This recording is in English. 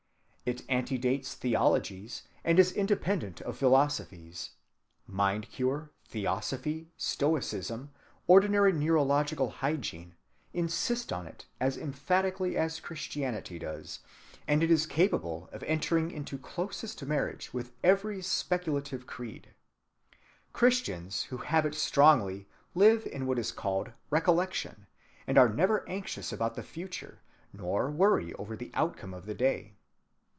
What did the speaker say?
It antedates theologies and is independent of philosophies. Mind‐cure, theosophy, stoicism, ordinary neurological hygiene, insist on it as emphatically as Christianity does, and it is capable of entering into closest marriage with every speculative creed.(173) Christians who have it strongly live in what is called "recollection," and are never anxious about the future, nor worry over the outcome of the day.